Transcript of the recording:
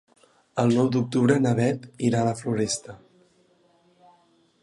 El nou d'octubre na Beth irà a la Floresta.